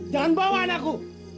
jangan bawa anakku